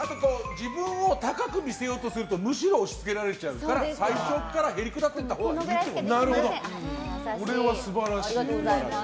自分を高く見せようとするとむしろ押し付けられちゃうから最初からへりくだっていったほうがいいってことですね。